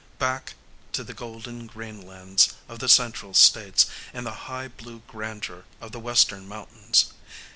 Back to the golden grainlands of the central states and the high, blue grandeur of the western mountains.